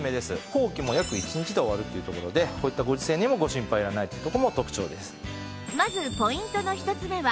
工期も約１日で終わるというところでこういったご時世にもご心配いらないというところも特長です。